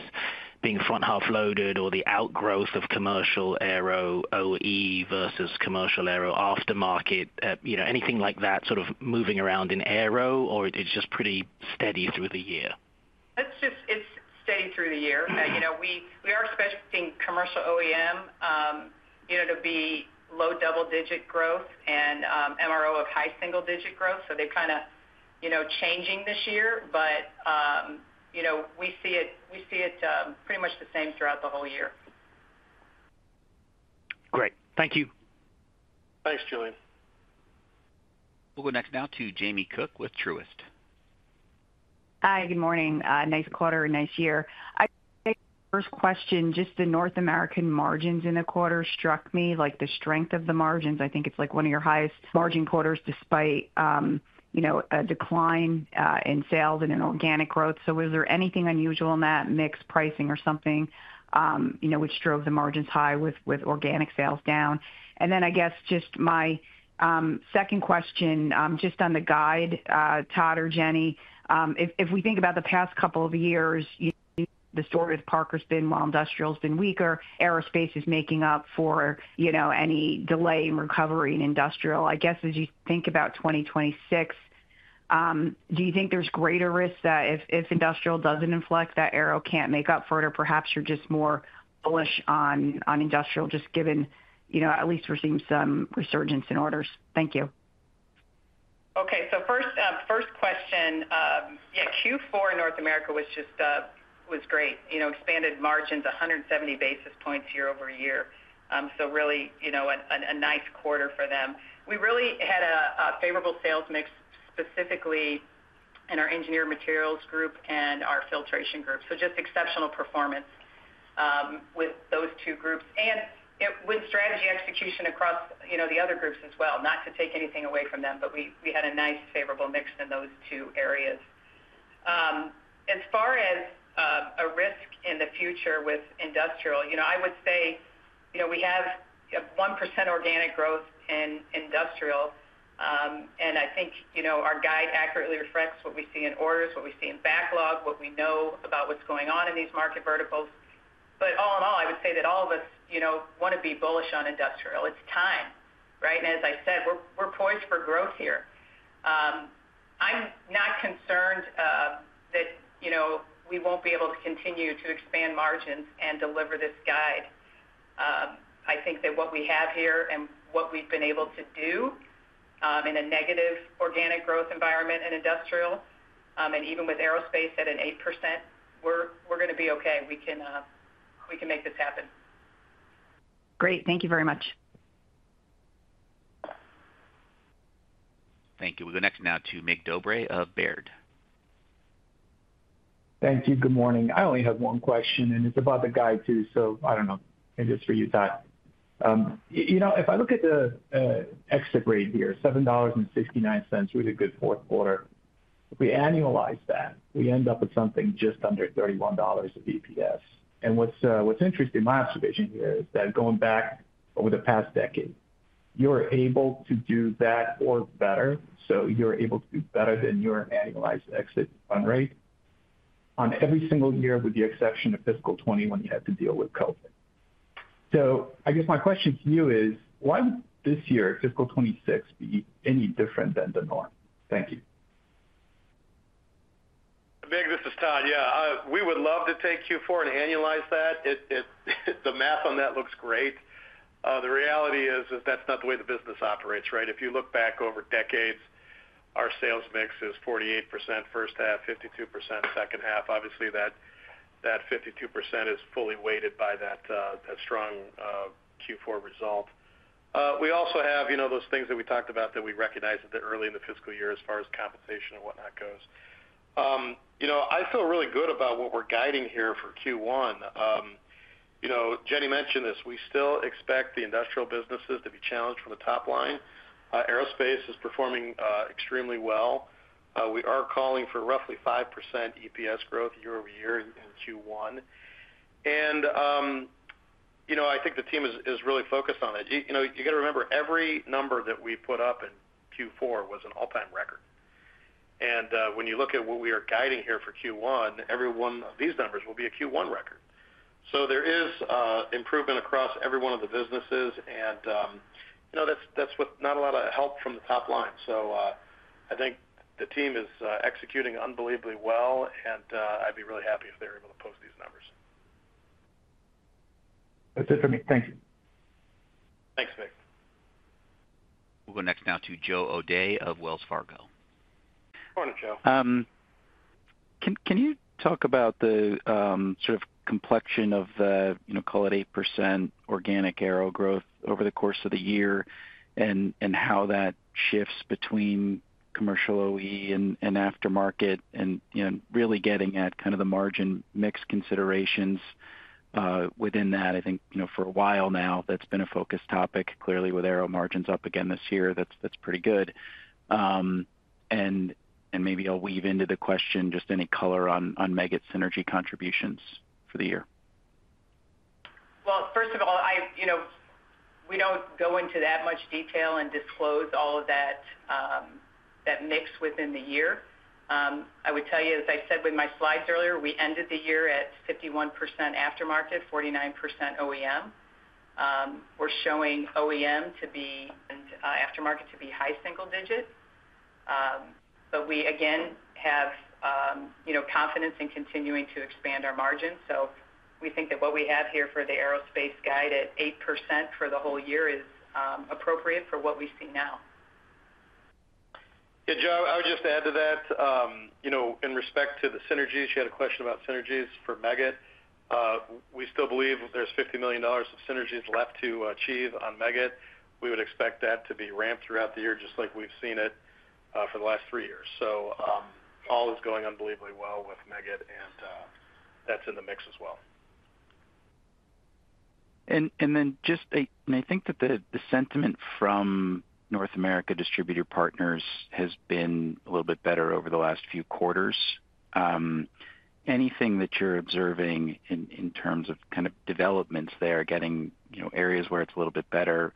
being front-half loaded or the outgrowth of commercial aero OE versus commercial aero aftermarket. Anything like that sort of moving around in aero or it's just pretty steady through the year? It's just steady through the year. We are expecting commercial OEM to be low double-digit growth and MRO of high single-digit growth. They're kind of changing this year. We see it pretty much the same throughout the whole year. Great. Thank you. Thanks, Julian. We'll go next to Jamie Cook with Truist. Hi, good morning. Nice quarter, nice year. I think the first question, just the North America margins in the quarter struck me, like the strength of the margins. I think it's like one of your highest margin quarters despite a decline in sales and in organic growth. Was there anything unusual in that mixed pricing or something which drove the margins high with organic sales down? My second question, just on the guide, Todd or Jenny, if we think about the past couple of years, the story with Parker's been while industrial has been weaker, aerospace is making up for any delay in recovery in industrial. As you think about 2026, do you think there's greater risk that if industrial doesn't inflect, that aero can't make up for it or perhaps you're just more bullish on industrial, just given at least we're seeing some resurgence in orders? Thank you. Okay, first question, yeah, Q4 in North America was just great. You know, expanded margins 170 basis points year-over-year. Really, you know, a nice quarter for them. We really had a favorable sales mix specifically in our engineered materials group and our filtration group. Just exceptional performance with those two groups. It was Win Strategy execution across, you know, the other groups as well. Not to take anything away from that, but we had a nice favorable mix in those two areas. As far as a risk in the future with industrial, I would say, you know, we have 1% organic growth in industrial. I think our guide accurately reflects what we see in orders, what we see in backlog, what we know about what's going on in these market verticals. All in all, I would say that all of us, you know, want to be bullish on industrial. It's time, right? As I said, we're poised for growth here. I'm not concerned that, you know, we won't be able to continue to expand margins and deliver this guide. I think that what we have here and what we've been able to do in a negative organic growth environment in industrial, and even with aerospace at an 8%, we're going to be okay. We can make this happen. Great. Thank you very much. Thank you. We'll go next now to Mig Dobre of Baird. Thank you. Good morning. I only have one question, and it's about the guide too. I don't know. Maybe it's for you, Todd. If I look at the exit rate here, $7.69, really good fourth quarter. If we annualize that, we end up with something just under $31 of EPS. What's interesting, my observation here is that going back over the past decade, you're able to do that or better. You're able to do better than your annualized exit fund rate on every single year with the exception of fiscal 2021 when you had to deal with COVID. I guess my question to you is, why would this year, fiscal 2026, be any different than the norm? Thank you. Mig, this is Todd. Yeah, we would love to take Q4 and annualize that. The math on that looks great. The reality is that's not the way the business operates, right? If you look back over decades, our sales mix is 48% first half, 52% second half. Obviously, that 52% is fully weighted by that strong Q4 result. We also have those things that we talked about that we recognize that they're early in the fiscal year as far as compensation and whatnot goes. I feel really good about what we're guiding here for Q1. Jenny mentioned this. We still expect the industrial businesses to be challenged from the top line. Aerospace is performing extremely well. We are calling for roughly 5% EPS growth year-over-year in Q1. I think the team is really focused on that. You got to remember every number that we put up in Q4 was an all-time record. When you look at what we are guiding here for Q1, every one of these numbers will be a Q1 record. There is improvement across every one of the businesses. That's with not a lot of help from the top line. I think the team is executing unbelievably well. I'd be really happy if they're able to post these numbers. That's it for me. Thank you. Thanks, Mig. We'll go next to Joe O'Dea of Wells Fargo. Morning, Joe. Can you talk about the sort of complexion of the, you know, call it 8% organic aero growth over the course of the year and how that shifts between commercial OE and aftermarket, and really getting at kind of the margin mix considerations within that? I think for a while now, that's been a focused topic clearly with aero margins up again this year. That's pretty good. Maybe I'll weave into the question just any color on Meggitt's synergy contributions for the year. First of all, we don't go into that much detail and disclose all of that mix within the year. I would tell you, as I said with my slides earlier, we ended the year at 51% aftermarket, 49% OEM. We're showing OEM to be and aftermarket to be high single digit. We again have confidence in continuing to expand our margins. We think that what we have here for the aerospace guide at 8% for the whole year is appropriate for what we've seen now. Yeah, Joe, I would just add to that. You know, in respect to the synergies, she had a question about synergies for Meggitt, we still believe there's $50 million of synergies left to achieve on Meggitt. We would expect that to be ramped throughout the year just like we've seen it for the last three years. All is going unbelievably well with Meggitt, and that's in the mix as well. I think that the sentiment from North America distributor partners has been a little bit better over the last few quarters. Anything that you're observing in terms of developments there, getting areas where it's a little bit better?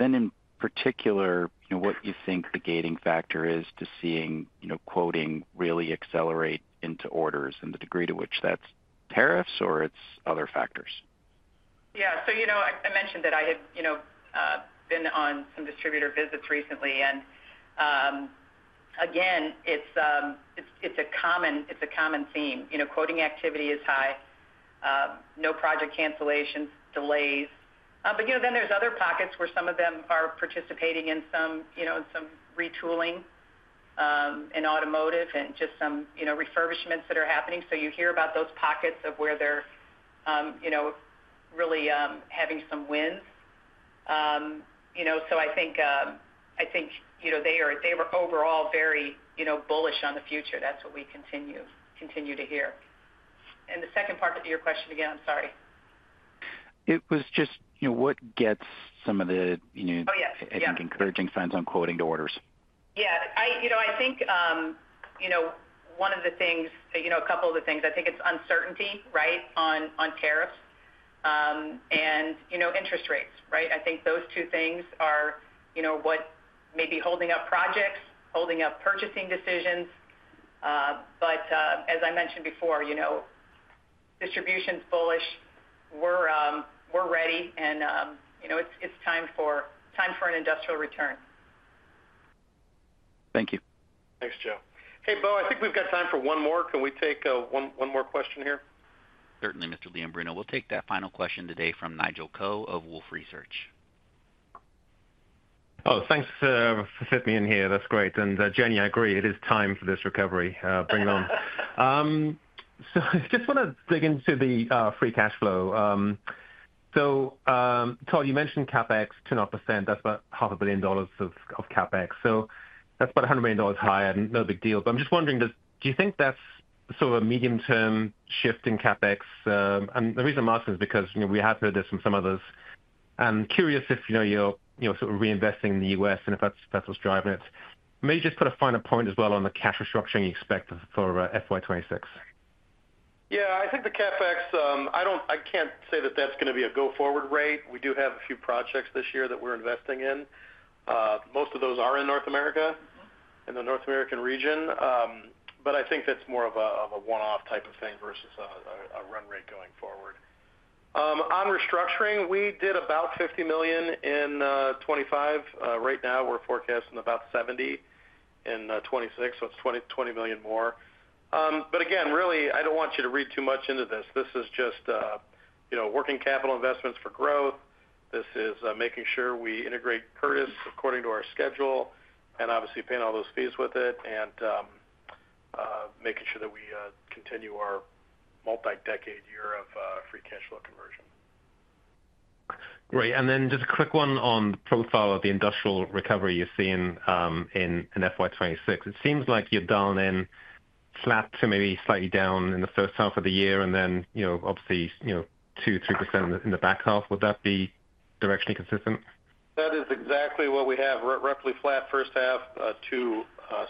In particular, what you think the gating factor is to seeing quoting really accelerate into orders and the degree to which that's tariffs or it's other factors. Yeah, I mentioned that I had been on some distributor visits recently. It's a common theme. Quoting activity is high, no project cancellations, delays. There are other pockets where some of them are participating in some retooling in automotive and just some refurbishments that are happening. You hear about those pockets where they're really having some wins. I think they were overall very bullish on the future. That's what we continue to hear. The second part of your question again, I'm sorry. It was just what gets some of the, I think, encouraging signs on quoting to orders. I think one of the things, a couple of the things, I think it's uncertainty, right, on tariffs and interest rates, right? I think those two things are what may be holding up projects, holding up purchasing decisions. As I mentioned before, distribution's bullish, we're ready, and it's time for an industrial return. Thank you. Thanks, Joe. Hey, Beau, I think we've got time for one more. Can we take one more question here? Certainly, Mr. Leombruno. We'll take that final question today from Nigel Coe of Wolfe Research. Oh, thanks for fitting me in here. That's great. And Jenny, I agree, it is time for this recovery. Bring it on. I just want to dig into the free cash flow. Todd, you mentioned CapEx 10%. That's about $500 million of CapEx. That's about $100 million high and no big deal. I'm just wondering, do you think that's sort of a medium-term shift in CapEx? The reason I'm asking is because, you know, we have heard this from some others. I'm curious if, you know, you're sort of reinvesting in the U.S. and if that's what's driving it. Maybe just put a final point as well on the cash restructuring you expect for FY 2026. Yeah, I think the CapEx, I can't say that that's going to be a go-forward rate. We do have a few projects this year that we're investing in. Most of those are in North America and the North American region. I think that's more of a one-off type of thing versus a run rate going forward. On restructuring, we did about $50 million in 2025. Right now, we're forecasting about $70 million in 2026. It's $20 million more. I don't want you to read too much into this. This is just working capital investments for growth. This is making sure we integrate Curtis according to our schedule and obviously paying all those fees with it and making sure that we continue our multi-decade year of free cash flow conversion. Great. Just a quick one on the profile of the industrial recovery you've seen in FY 2026. It seems like you're down flat to maybe slightly down in the first half of the year, and then, obviously, 2%-3% in the back half. Would that be directionally consistent? That is exactly what we have: roughly flat first half to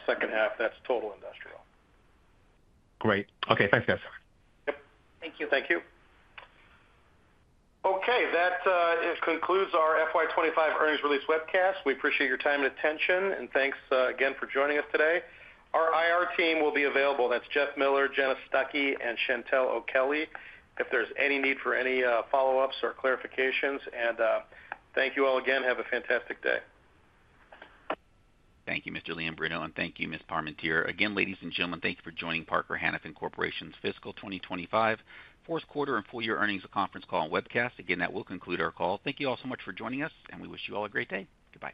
second half. That's total industrial. Great. Okay, thanks, guys. Yep. Thank you. Thank you. Okay, that concludes our FY 2025 earnings release webcast. We appreciate your time and attention, and thanks again for joining us today. Our IR team will be available. That's Jeff Miller, Jenna Stuckey, and Chantelle O'Kelly. If there's any need for any follow-ups or clarifications, thank you all again. Have a fantastic day. Thank you, Mr. Leombruno, and thank you, Ms. Parmentier. Again, ladies and gentlemen, thank you for joining Parker-Hannifin Corporation's fiscal 2025 fourth quarter and full-year earnings conference call and webcast. That will conclude our call. Thank you all so much for joining us, and we wish you all a great day. Goodbye.